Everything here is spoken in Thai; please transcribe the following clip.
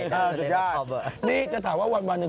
แล้วก็แยกแยะด้วยสมอง